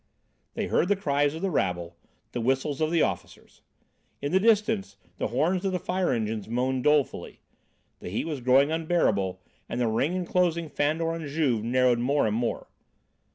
They heard the cries of the rabble, the whistles of the officers. In the distance the horns of the fire engines moaned dolefully. The heat was growing unbearable, and the ring enclosing Fandor and Juve narrowed more and more.